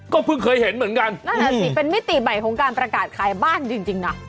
ก็เพิ่งเคยเห็นเหมือนกันนั่นแหละสิเป็นมิติใหม่ของการประกาศขายบ้านจริงนะ